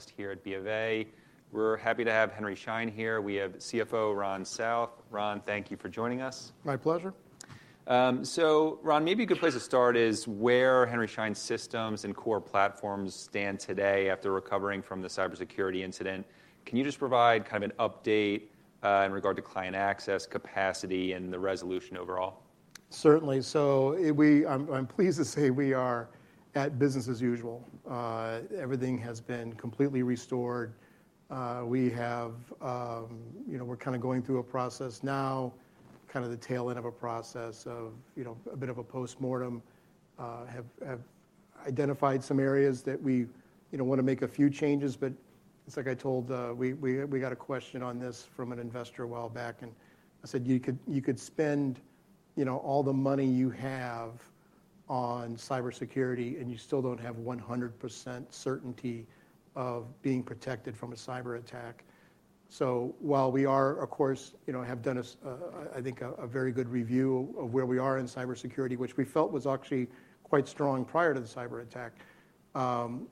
Analyst here at B of A. We're happy to have Henry Schein here. We have CFO Ron South. Ron, thank you for joining us. My pleasure. Ron, maybe a good place to start is where Henry Schein's systems and core platforms stand today after recovering from the cybersecurity incident. Can you just provide kind of an update in regard to client access, capacity, and the resolution overall? Certainly. So I'm pleased to say we are at business as usual. Everything has been completely restored. We're kind of going through a process now, kind of the tail end of a process of a bit of a postmortem. Have identified some areas that we want to make a few changes, but it's like I told, we got a question on this from an investor a while back, and I said you could spend all the money you have on cybersecurity and you still don't have 100% certainty of being protected from a cyber attack. So while we are, of course, have done I think a very good review of where we are in cybersecurity, which we felt was actually quite strong prior to the cyber attack,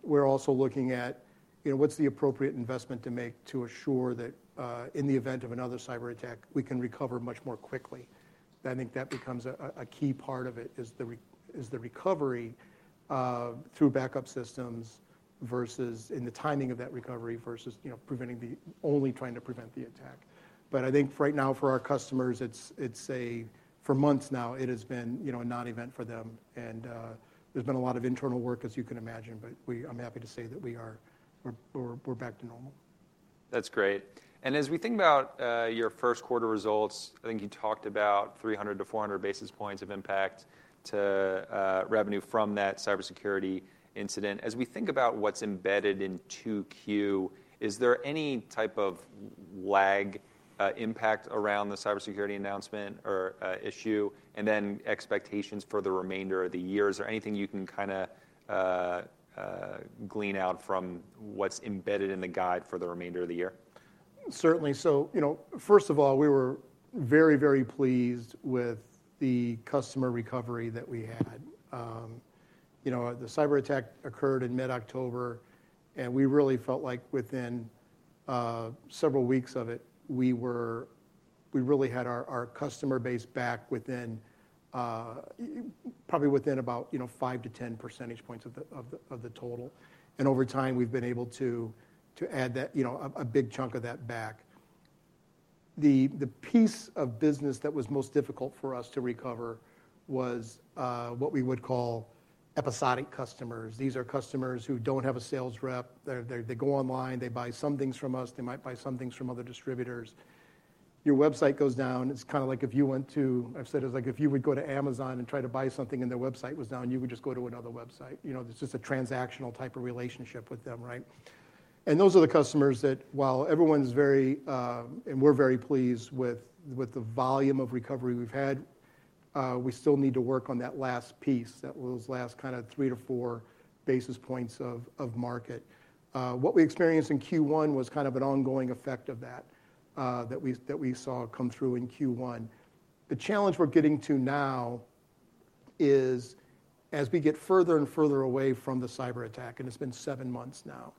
we're also looking at what's the appropriate investment to make to assure that in the event of another cyber attack we can recover much more quickly. I think that becomes a key part of it, is the recovery through backup systems versus in the timing of that recovery versus preventing the only trying to prevent the attack. But I think right now for our customers it's a for months now it has been a non-event for them, and there's been a lot of internal work as you can imagine, but I'm happy to say that we are back to normal. That's great. As we think about your first quarter results, I think you talked about 300-400 basis points of impact to revenue from that cybersecurity incident. As we think about what's embedded in 2Q, is there any type of lag impact around the cybersecurity announcement or issue, and then expectations for the remainder of the year? Is there anything you can kind of glean out from what's embedded in the guide for the remainder of the year? Certainly. So first of all, we were very, very pleased with the customer recovery that we had. The cyber attack occurred in mid-October, and we really felt like within several weeks of it we really had our customer base back probably within about 5 to 10 percentage points of the total. Over time we've been able to add a big chunk of that back. The piece of business that was most difficult for us to recover was what we would call episodic customers. These are customers who don't have a sales rep. They go online, they buy some things from us, they might buy some things from other distributors. Your website goes down. It's kind of like if you went to. I've said it's like if you would go to Amazon and try to buy something and their website was down, you would just go to another website. It's just a transactional type of relationship with them, right? And those are the customers that while everyone's very and we're very pleased with the volume of recovery we've had, we still need to work on that last piece, those last kind of 3 to 4 basis points of market. What we experienced in Q1 was kind of an ongoing effect of that, that we saw come through in Q1. The challenge we're getting to now is as we get further and further away from the cyber attack, and it's been seven months now,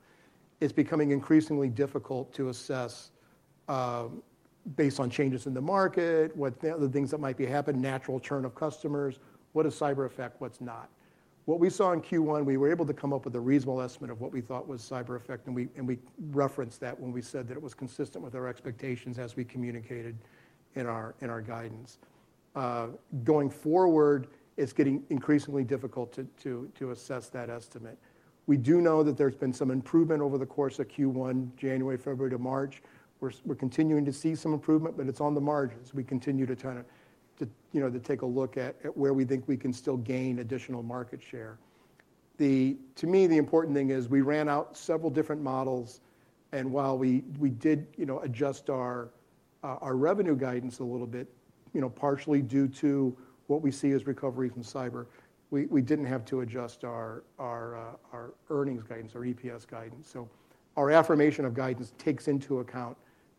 it's becoming increasingly difficult to assess based on changes in the market, the things that might be happening, natural turn of customers, what does cyber affect, what's not. What we saw in Q1, we were able to come up with a reasonable estimate of what we thought was cyber effect, and we referenced that when we said that it was consistent with our expectations as we communicated in our guidance. Going forward, it's getting increasingly difficult to assess that estimate. We do know that there's been some improvement over the course of Q1, January, February to March. We're continuing to see some improvement, but it's on the margins. We continue to take a look at where we think we can still gain additional market share. To me, the important thing is we ran out several different models, and while we did adjust our revenue guidance a little bit, partially due to what we see as recovery from cyber, we didn't have to adjust our earnings guidance, our EPS guidance. So our affirmation of guidance takes into account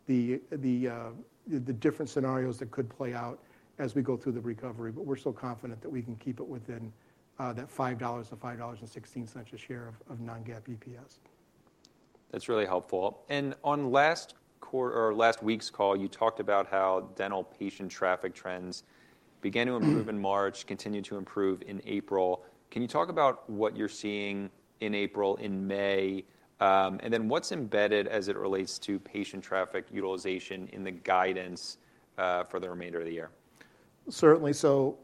the different scenarios that could play out as we go through the recovery, but we're still confident that we can keep it within that $5.00 to $5.16 a share of non-GAAP EPS. That's really helpful. On last week's call, you talked about how dental patient traffic trends began to improve in March, continued to improve in April. Can you talk about what you're seeing in April, in May, and then what's embedded as it relates to patient traffic utilization in the guidance for the remainder of the year? Certainly. So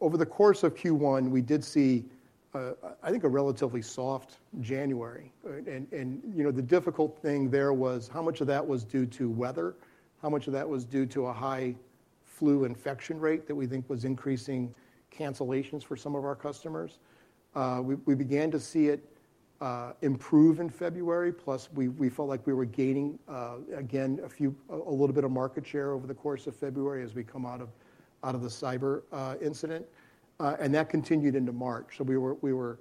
over the course of Q1, we did see, I think, a relatively soft January. The difficult thing there was how much of that was due to weather, how much of that was due to a high flu infection rate that we think was increasing cancellations for some of our customers. We began to see it improve in February, plus we felt like we were gaining, again, a little bit of market share over the course of February as we come out of the cyber incident. That continued into March. So we were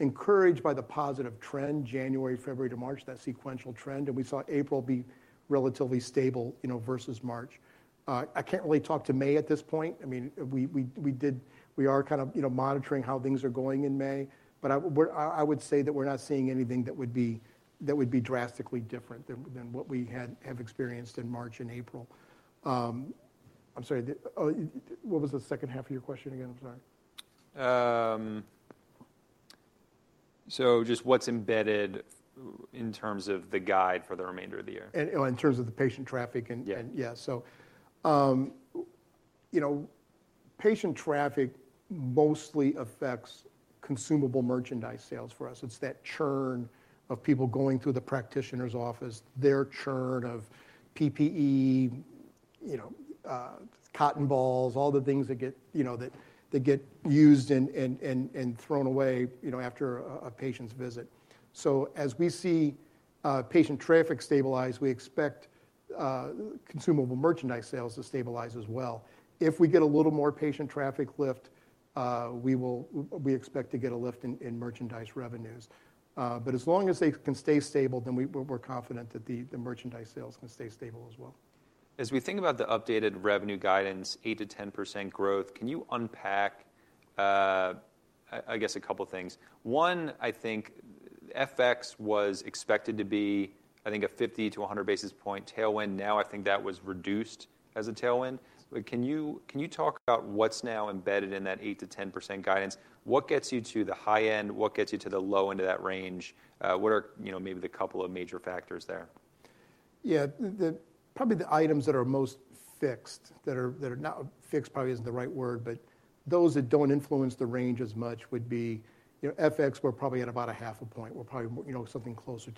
encouraged by the positive trend, January, February, to March, that sequential trend, and we saw April be relatively stable versus March. I can't really talk to May at this point. I mean, we are kind of monitoring how things are going in May, but I would say that we're not seeing anything that would be drastically different than what we have experienced in March and April. I'm sorry. What was the second half of your question again? I'm sorry. Just what's embedded in terms of the guidance for the remainder of the year? In terms of the patient traffic, yeah. So patient traffic mostly affects consumable merchandise sales for us. It's that churn of people going through the practitioner's office, their churn of PPE, cotton balls, all the things that get used and thrown away after a patient's visit. So as we see patient traffic stabilize, we expect consumable merchandise sales to stabilize as well. If we get a little more patient traffic lift, we expect to get a lift in merchandise revenues. But as long as they can stay stable, then we're confident that the merchandise sales can stay stable as well. As we think about the updated revenue guidance, 8% to 10% growth, can you unpack, I guess, a couple of things? One, I think FX was expected to be, I think, a 50 to 100 basis point tailwind. Now I think that was reduced as a tailwind. Can you talk about what's now embedded in that 8% to 10% guidance? What gets you to the high end? What gets you to the low end of that range? What are maybe the couple of major factors there? Yeah. Probably the items that are most fixed, that are not fixed, probably isn't the right word, but those that don't influence the range as much would be FX. We're probably at about 0.5 point. We're probably something closer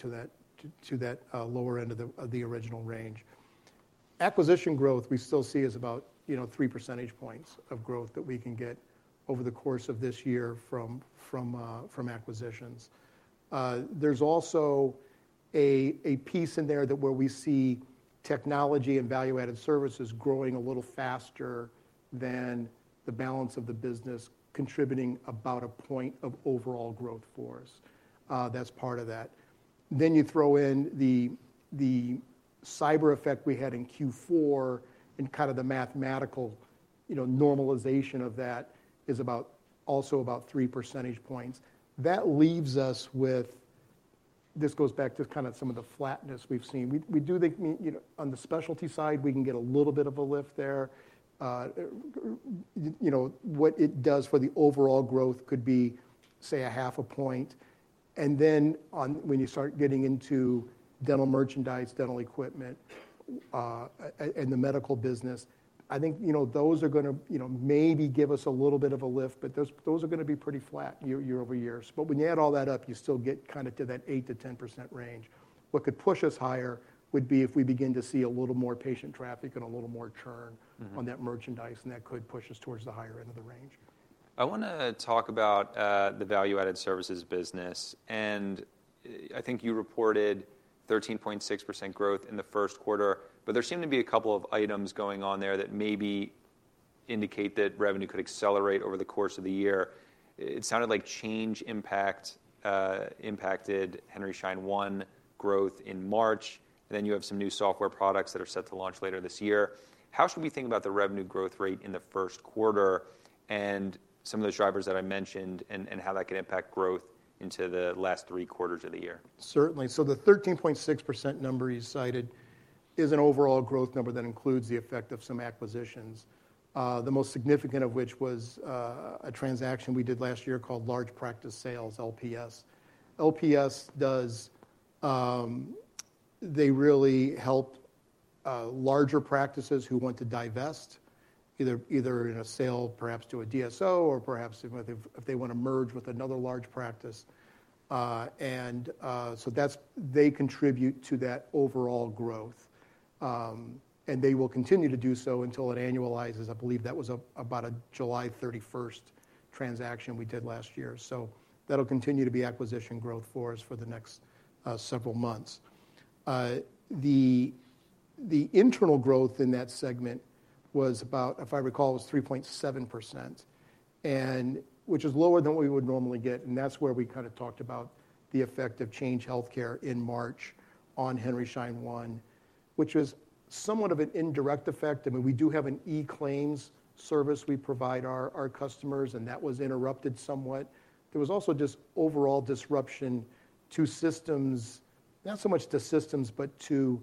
to that lower end of the original range. Acquisition growth we still see is about 3 percentage points of growth that we can get over the course of this year from acquisitions. There's also a piece in there where we see technology and value-added services growing a little faster than the balance of the business contributing about 1 point of overall growth for us. That's part of that. Then you throw in the cyber effect we had in Q4, and kind of the mathematical normalization of that is also about 3 percentage points. That leaves us with this goes back to kind of some of the flatness we've seen. We do think on the specialty side we can get a little bit of a lift there. What it does for the overall growth could be, say, 0.5 point. And then when you start getting into dental merchandise, dental equipment, and the medical business, I think those are going to maybe give us a little bit of a lift, but those are going to be pretty flat year-over-year. But when you add all that up, you still get kind of to that 8%-10% range. What could push us higher would be if we begin to see a little more patient traffic and a little more churn on that merchandise, and that could push us towards the higher end of the range. I want to talk about the value-added services business. I think you reported 13.6% growth in the first quarter, but there seem to be a couple of items going on there that maybe indicate that revenue could accelerate over the course of the year. It sounded like Change impacted Henry Schein One growth in March, and then you have some new software products that are set to launch later this year. How should we think about the revenue growth rate in the first quarter and some of those drivers that I mentioned and how that could impact growth into the last three quarters of the year? Certainly. So the 13.6% number you cited is an overall growth number that includes the effect of some acquisitions, the most significant of which was a transaction we did last year called Large Practice Sales, LPS. LPS does they really help larger practices who want to divest, either in a sale perhaps to a DSO or perhaps if they want to merge with another large practice. And so they contribute to that overall growth, and they will continue to do so until it annualizes. I believe that was about a July 31st transaction we did last year. So that'll continue to be acquisition growth for us for the next several months. The internal growth in that segment was about, if I recall, it was 3.7%, which is lower than what we would normally get. And that's where we kind of talked about the effect of Change Healthcare in March on Henry Schein One, which was somewhat of an indirect effect. I mean, we do have an eClaims service we provide our customers, and that was interrupted somewhat. There was also just overall disruption to systems, not so much to systems, but to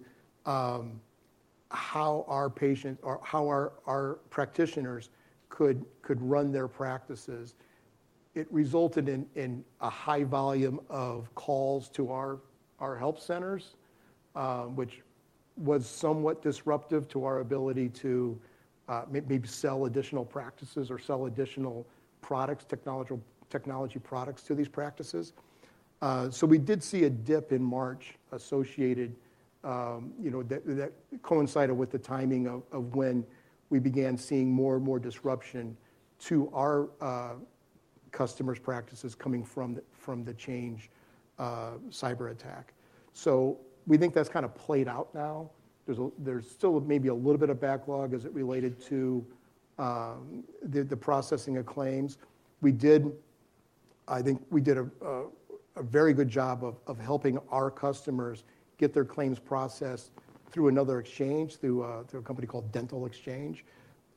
how our practitioners could run their practices. It resulted in a high volume of calls to our help centers, which was somewhat disruptive to our ability to maybe sell additional practices or sell additional products, technology products to these practices. So we did see a dip in March associated that coincided with the timing of when we began seeing more and more disruption to our customers' practices coming from the Change cyber attack. So we think that's kind of played out now. There's still maybe a little bit of backlog as it related to the processing of claims. I think we did a very good job of helping our customers get their claims processed through another exchange, through a company called DentalXChange,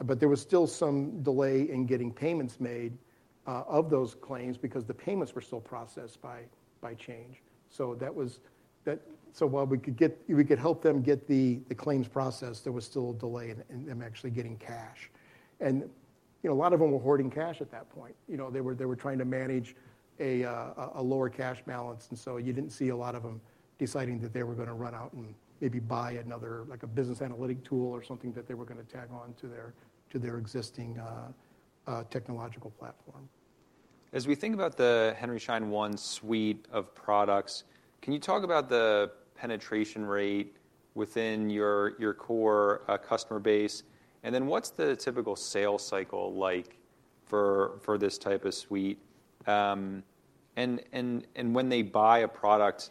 but there was still some delay in getting payments made of those claims because the payments were still processed by Change. So while we could help them get the claims processed, there was still a delay in them actually getting cash. A lot of them were hoarding cash at that point. They were trying to manage a lower cash balance, and so you didn't see a lot of them deciding that they were going to run out and maybe buy another business analytic tool or something that they were going to tag on to their existing technological platform. As we think about the Henry Schein One suite of products, can you talk about the penetration rate within your core customer base? And then what's the typical sales cycle like for this type of suite? And when they buy a product,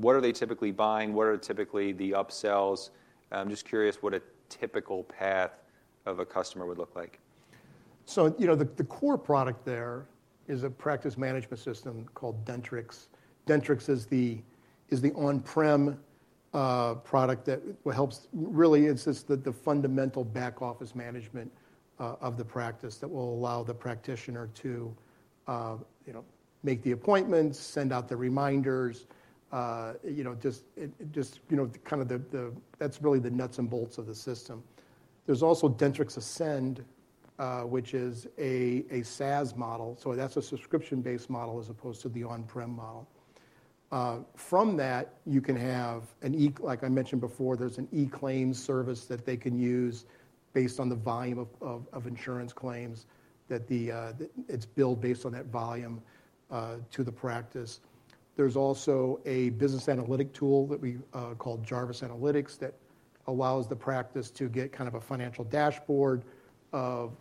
what are they typically buying? What are typically the upsells? I'm just curious what a typical path of a customer would look like. So the core product there is a practice management system called Dentrix. Dentrix is the on-prem product that helps. Really, it's just the fundamental back office management of the practice that will allow the practitioner to make the appointments, send out the reminders. Just kind of the, that's really the nuts and bolts of the system. There's also Dentrix Ascend, which is a SaaS model. So that's a subscription-based model as opposed to the on-prem model. From that, you can have and like I mentioned before, there's an eClaims service that they can use based on the volume of insurance claims that it's billed based on that volume to the practice. There's also a business analytic tool that we call Jarvis Analytics that allows the practice to get kind of a financial dashboard of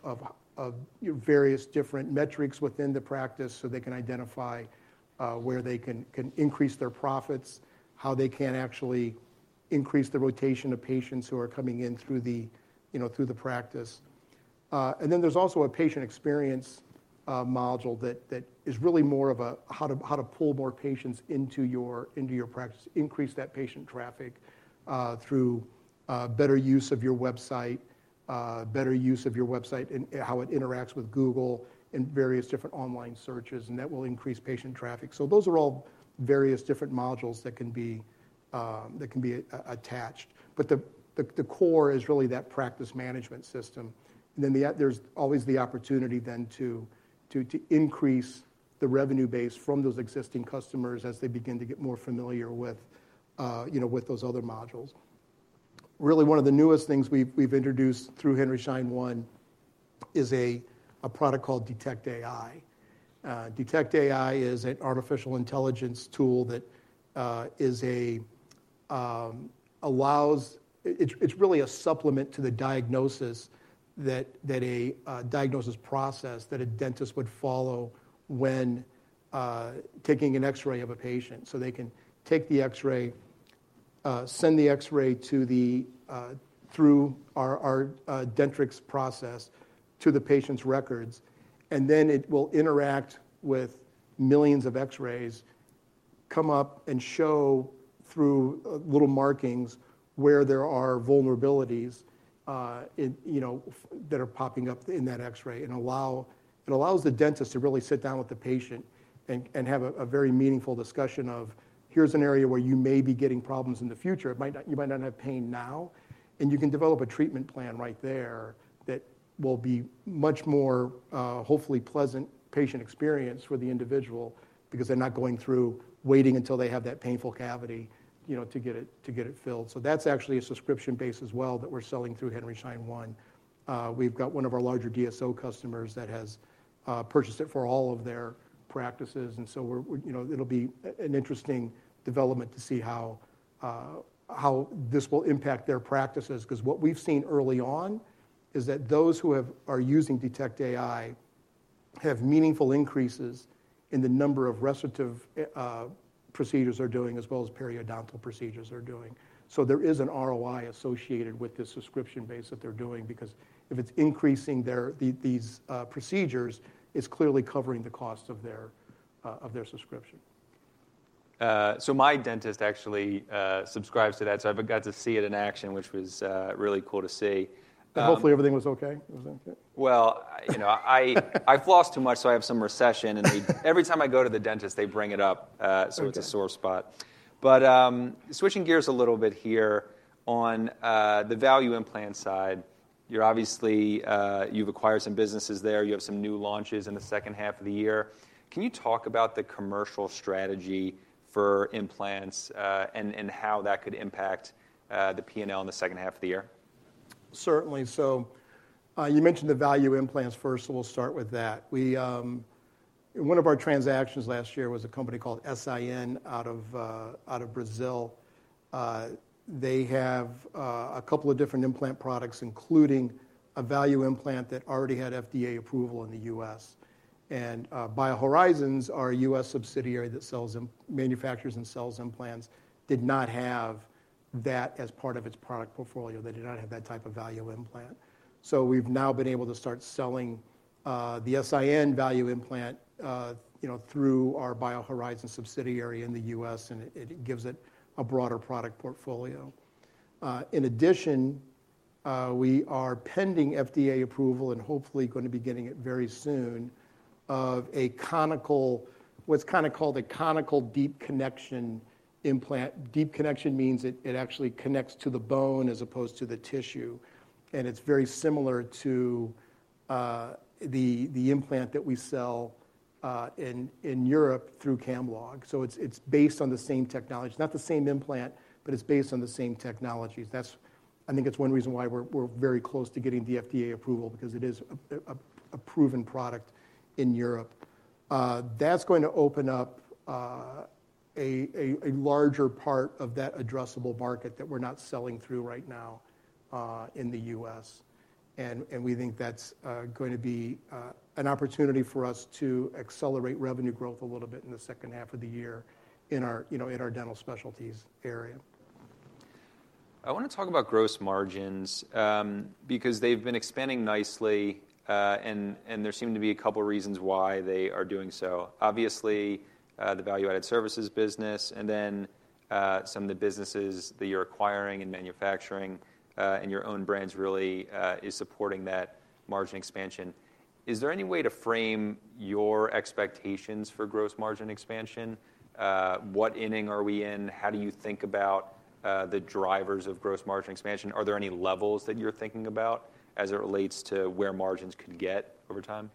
various different metrics within the practice so they can identify where they can increase their profits, how they can actually increase the rotation of patients who are coming in through the practice. And then there's also a patient experience module that is really more of how to pull more patients into your practice, increase that patient traffic through better use of your website, better use of your website and how it interacts with Google and various different online searches, and that will increase patient traffic. So those are all various different modules that can be attached. But the core is really that practice management system. And then there's always the opportunity then to increase the revenue base from those existing customers as they begin to get more familiar with those other modules. Really, one of the newest things we've introduced through Henry Schein One is a product called Detect AI. Detect AI is an artificial intelligence tool that allows. It's really a supplement to the diagnosis process that a dentist would follow when taking an X-ray of a patient. So they can take the X-ray, send the X-ray through our Dentrix process to the patient's records, and then it will interact with millions of X-rays, come up and show through little markings where there are vulnerabilities that are popping up in that X-ray, and it allows the dentist to really sit down with the patient and have a very meaningful discussion of, here's an area where you may be getting problems in the future. You might not have pain now, and you can develop a treatment plan right there that will be much more, hopefully, pleasant patient experience for the individual because they're not going through waiting until they have that painful cavity to get it filled. So that's actually a subscription base as well that we're selling through Henry Schein One. We've got one of our larger DSO customers that has purchased it for all of their practices, and so it'll be an interesting development to see how this will impact their practices because what we've seen early on is that those who are using Detect AI have meaningful increases in the number of restorative procedures they're doing as well as periodontal procedures they're doing. So there is an ROI associated with this subscription base that they're doing because if it's increasing these procedures, it's clearly covering the cost of their subscription. So my dentist actually subscribes to that, so I've got to see it in action, which was really cool to see. Hopefully, everything was OK. Well, I floss too much, so I have some recession, and every time I go to the dentist, they bring it up, so it's a sore spot. But switching gears a little bit here on the value implant side, you've acquired some businesses there. You have some new launches in the second half of the year. Can you talk about the commercial strategy for implants and how that could impact the P&L in the second half of the year? Certainly. So you mentioned the value implants first, so we'll start with that. One of our transactions last year was a company called S.I.N. out of Brazil. They have a couple of different implant products, including a value implant that already had FDA approval in the U.S. And BioHorizons, our U.S. subsidiary that manufactures and sells implants, did not have that as part of its product portfolio. They did not have that type of value implant. So we've now been able to start selling the S.I.N. value implant through our BioHorizons subsidiary in the U.S., and it gives it a broader product portfolio. In addition, we are pending FDA approval and hopefully going to be getting it very soon of what's kind of called a conical deep connection implant. Deep connection means it actually connects to the bone as opposed to the tissue, and it's very similar to the implant that we sell in Europe through Camlog. So it's based on the same technology. It's not the same implant, but it's based on the same technologies. I think it's one reason why we're very close to getting the FDA approval because it is a proven product in Europe. That's going to open up a larger part of that addressable market that we're not selling through right now in the U.S. And we think that's going to be an opportunity for us to accelerate revenue growth a little bit in the second half of the year in our dental specialties area. I want to talk about gross margins because they've been expanding nicely, and there seem to be a couple of reasons why they are doing so. Obviously, the value-added services business, and then some of the businesses that you're acquiring and manufacturing and your own brands really is supporting that margin expansion. Is there any way to frame your expectations for gross margin expansion? What inning are we in? How do you think about the drivers of gross margin expansion? Are there any levels that you're thinking about as it relates to where margins could get over time?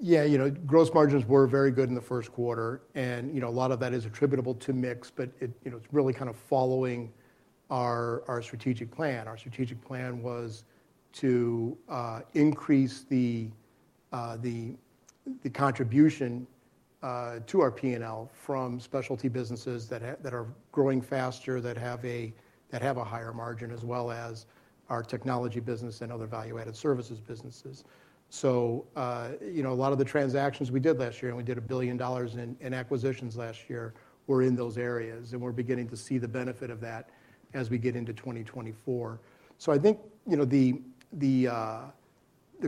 Yeah, gross margins were very good in the first quarter, and a lot of that is attributable to mix, but it's really kind of following our strategic plan. Our strategic plan was to increase the contribution to our P&L from specialty businesses that are growing faster, that have a higher margin, as well as our technology business and other value-added services businesses. So a lot of the transactions we did last year, and we did $1 billion in acquisitions last year, were in those areas, and we're beginning to see the benefit of that as we get into 2024. So I think the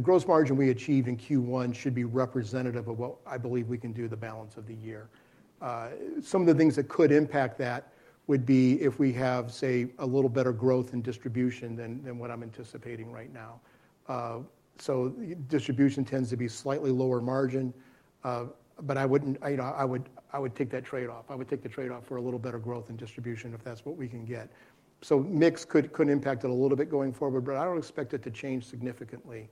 gross margin we achieve in Q1 should be representative of what I believe we can do the balance of the year. Some of the things that could impact that would be if we have, say, a little better growth in distribution than what I'm anticipating right now. So distribution tends to be slightly lower margin, but I would take that trade-off. I would take the trade-off for a little better growth in distribution if that's what we can get. So mix could impact it a little bit going forward, but I don't expect it to change significantly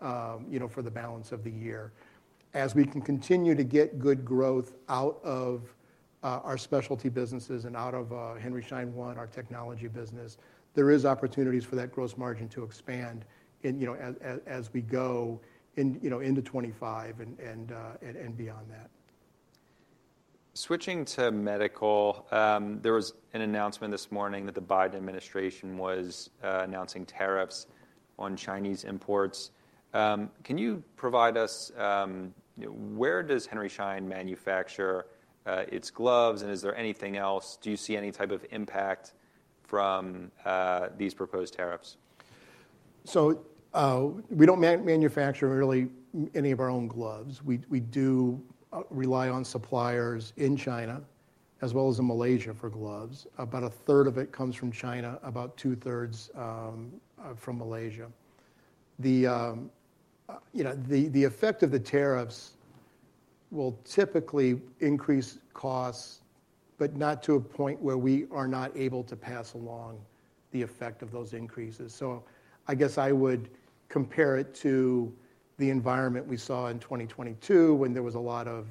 for the balance of the year. As we can continue to get good growth out of our specialty businesses and out of Henry Schein One, our technology business, there are opportunities for that gross margin to expand as we go into 2025 and beyond that. Switching to medical, there was an announcement this morning that the Biden administration was announcing tariffs on Chinese imports. Can you provide us where does Henry Schein manufacture its gloves, and is there anything else? Do you see any type of impact from these proposed tariffs? So we don't manufacture really any of our own gloves. We do rely on suppliers in China as well as in Malaysia for gloves. About a third of it comes from China, about two-thirds from Malaysia. The effect of the tariffs will typically increase costs, but not to a point where we are not able to pass along the effect of those increases. So I guess I would compare it to the environment we saw in 2022 when there was a lot of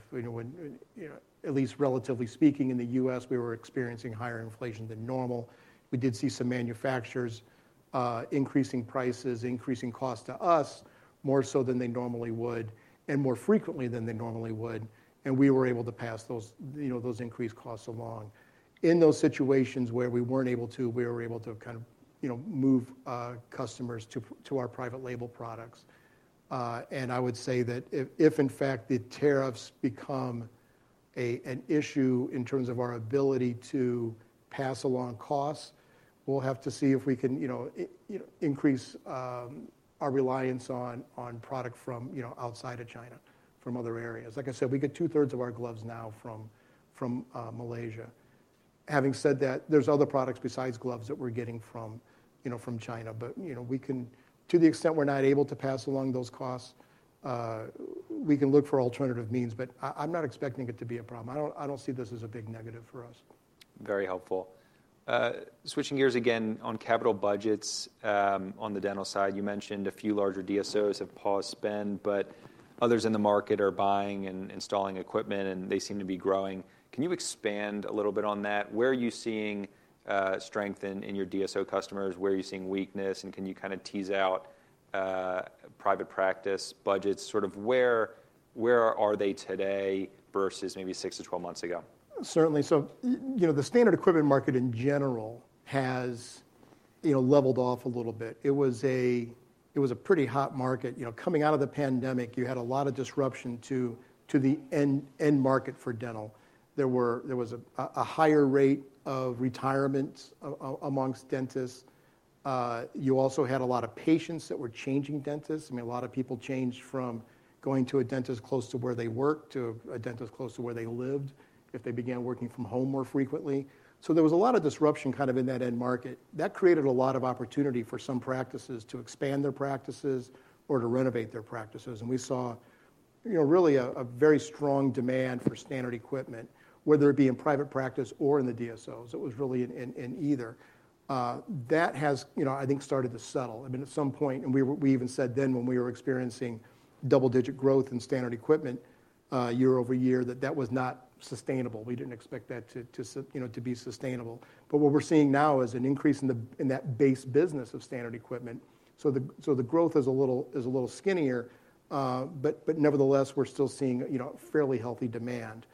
at least relatively speaking, in the U.S., we were experiencing higher inflation than normal. We did see some manufacturers increasing prices, increasing costs to us more so than they normally would and more frequently than they normally would, and we were able to pass those increased costs along. In those situations where we weren't able to, we were able to kind of move customers to our private label products. And I would say that if, in fact, the tariffs become an issue in terms of our ability to pass along costs, we'll have to see if we can increase our reliance on product from outside of China, from other areas. Like I said, we get two-thirds of our gloves now from Malaysia. Having said that, there are other products besides gloves that we're getting from China, but we can to the extent we're not able to pass along those costs, we can look for alternative means, but I'm not expecting it to be a problem. I don't see this as a big negative for us. Very helpful. Switching gears again on capital budgets on the dental side, you mentioned a few larger DSOs have paused spend, but others in the market are buying and installing equipment, and they seem to be growing. Can you expand a little bit on that? Where are you seeing strength in your DSO customers? Where are you seeing weakness? And can you kind of tease out private practice budgets? Sort of where are they today versus maybe 6 to 12 months ago? Certainly. So the standard equipment market in general has leveled off a little bit. It was a pretty hot market. Coming out of the pandemic, you had a lot of disruption to the end market for dental. There was a higher rate of retirement amongst dentists. You also had a lot of patients that were changing dentists. I mean, a lot of people changed from going to a dentist close to where they worked to a dentist close to where they lived if they began working from home more frequently. So there was a lot of disruption kind of in that end market. That created a lot of opportunity for some practices to expand their practices or to renovate their practices. And we saw really a very strong demand for standard equipment, whether it be in private practice or in the DSOs. It was really in either. That has, I think, started to settle. I mean, at some point, and we even said then when we were experiencing double-digit growth in standard equipment year-over-year, that that was not sustainable. We didn't expect that to be sustainable. But what we're seeing now is an increase in that base business of standard equipment. So the growth is a little skinnier, but nevertheless, we're still seeing fairly healthy demand.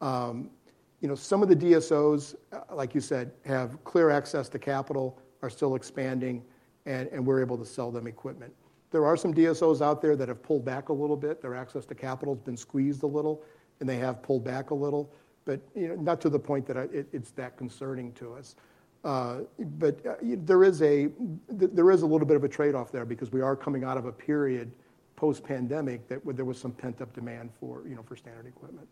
Some of the DSOs, like you said, have clear access to capital, are still expanding, and we're able to sell them equipment. There are some DSOs out there that have pulled back a little bit. Their access to capital has been squeezed a little, and they have pulled back a little, but not to the point that it's that concerning to us. There is a little bit of a trade-off there because we are coming out of a period post-pandemic where there was some pent-up demand for standard equipment.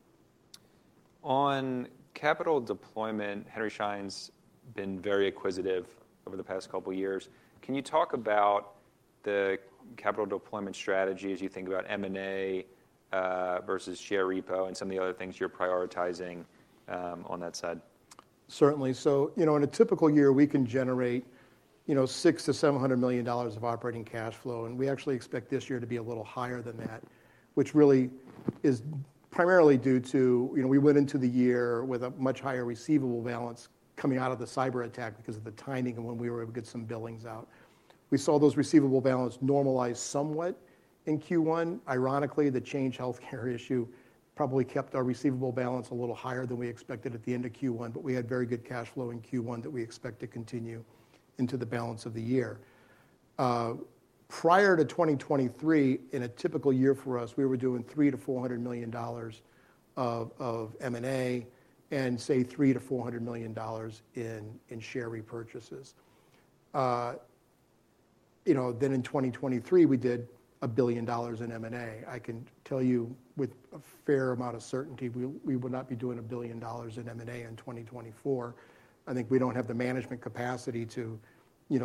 On capital deployment, Henry Schein's been very acquisitive over the past couple of years. Can you talk about the capital deployment strategy as you think about M&A versus share repo and some of the other things you're prioritizing on that side? Certainly. So in a typical year, we can generate $600 million to $700 million of operating cash flow, and we actually expect this year to be a little higher than that, which really is primarily due to we went into the year with a much higher receivable balance coming out of the cyber attack because of the timing and when we were able to get some billings out. We saw those receivable balance normalize somewhat in Q1. Ironically, the Change Healthcare issue probably kept our receivable balance a little higher than we expected at the end of Q1, but we had very good cash flow in Q1 that we expect to continue into the balance of the year. Prior to 2023, in a typical year for us, we were doing $300 million to $400 million of M&A and, say, $300 million to $400 million in share repurchases. Then in 2023, we did $1 billion in M&A. I can tell you with a fair amount of certainty, we would not be doing $1 billion in M&A in 2024. I think we don't have the management capacity to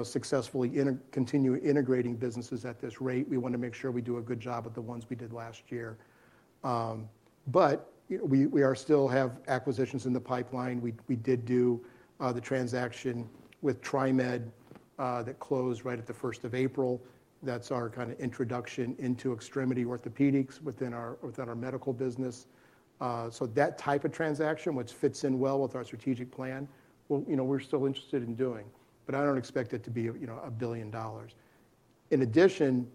successfully continue integrating businesses at this rate. We want to make sure we do a good job with the ones we did last year. But we still have acquisitions in the pipeline. We did do the transaction with TriMed that closed right at the 1st of April. That's our kind of introduction into Extremity Orthopedics within our medical business. So that type of transaction, which fits in well with our strategic plan, we're still interested in doing, but I don't expect it to be $1 billion. In addition,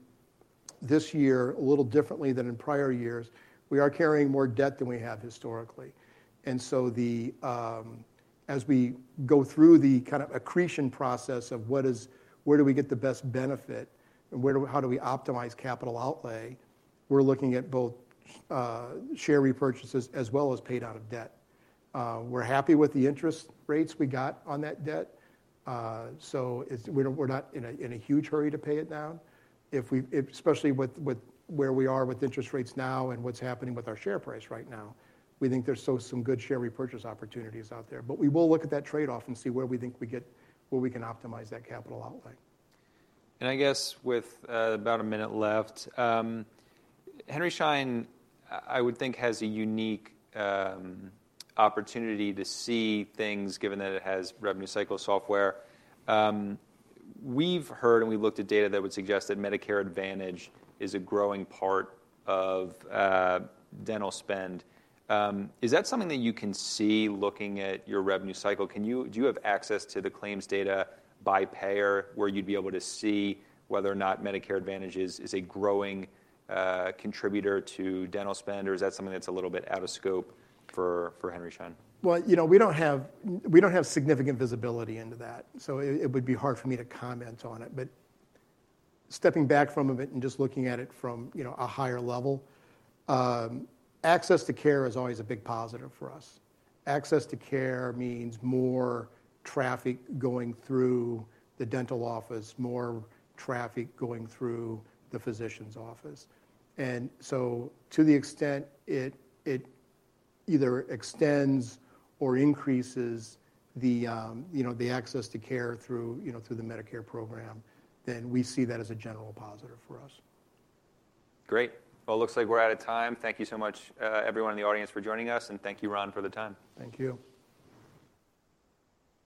this year, a little differently than in prior years, we are carrying more debt than we have historically. So as we go through the kind of accretion process of where do we get the best benefit and how do we optimize capital outlay, we're looking at both share repurchases as well as paid out of debt. We're happy with the interest rates we got on that debt, so we're not in a huge hurry to pay it down, especially where we are with interest rates now and what's happening with our share price right now. We think there's still some good share repurchase opportunities out there, but we will look at that trade-off and see where we think we get where we can optimize that capital outlay. I guess with about a minute left, Henry Schein, I would think, has a unique opportunity to see things given that it has revenue cycle software. We've heard and we looked at data that would suggest that Medicare Advantage is a growing part of dental spend. Is that something that you can see looking at your revenue cycle? Do you have access to the claims data by payer where you'd be able to see whether or not Medicare Advantage is a growing contributor to dental spend, or is that something that's a little bit out of scope for Henry Schein? Well, we don't have significant visibility into that, so it would be hard for me to comment on it. But stepping back from it and just looking at it from a higher level, access to care is always a big positive for us. Access to care means more traffic going through the dental office, more traffic going through the physician's office. And so to the extent it either extends or increases the access to care through the Medicare program, then we see that as a general positive for us. Great. Well, it looks like we're out of time. Thank you so much, everyone in the audience, for joining us, and thank you, Ron, for the time. Thank you.